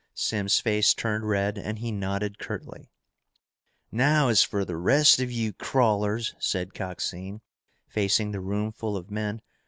Simms' face turned red, and he nodded curtly. "Now as for the rest of you crawlers," said Coxine, facing the room full of men.